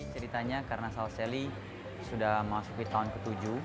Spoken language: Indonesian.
ceritanya karena saur seli sudah masuk tahun ke tujuh